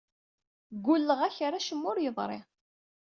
Ggulleɣ-ak ar acemma ur yeḍri.